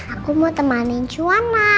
aku mau temanin juana